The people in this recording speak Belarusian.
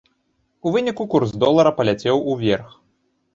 У выніку курс долара паляцеў уверх.